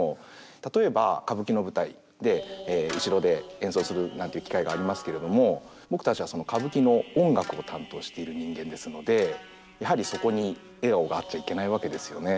例えば歌舞伎の舞台で後ろで演奏するなんていう機会がありますけれども僕たちはやはりそこに笑顔があっちゃいけないわけですよね。